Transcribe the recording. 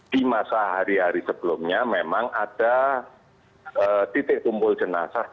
di masa hari hari sebelumnya memang ada titik kumpul jenazah